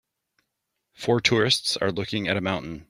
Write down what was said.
Four tourists are looking at a mountain.